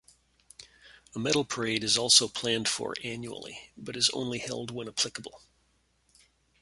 A medal parade is also planned for annually, but is only held when applicable.